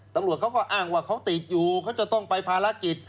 ตำรวจเขาก็อ้างว่าเขาติดอยู่เขาจะต้องไปภารกิจ